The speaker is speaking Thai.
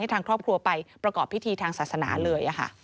ทางครอบครัวไปประกอบพิธีทางศาสนาเลย